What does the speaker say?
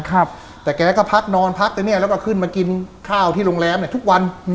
แต่แกก็พักนอนพักตรงเนี้ยแล้วก็ขึ้นมากินข้าวที่โรงแรมเนี่ยทุกวันอืม